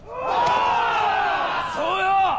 そうよ。